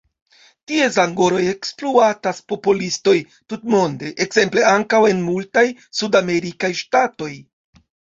Ties angorojn ekspluatas popolistoj tutmonde, ekzemple ankaŭ en multaj sudamerikaj ŝtatoj.